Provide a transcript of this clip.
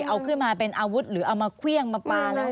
เอาขึ้นมาเป็นอาวุธหรือเอามาเครื่องมาปลาอะไร